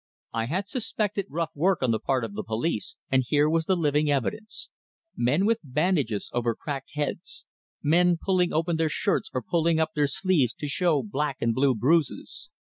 I had suspected rough work on the part of the police, and here was the living evidence men with bandages over cracked heads, men pulling open their shirts or pulling up their sleeves to show black and blue bruises.